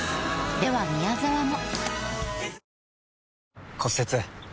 では宮沢も。